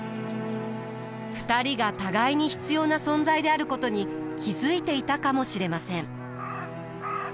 ２人が互いに必要な存在であることに気付いていたかもしれません。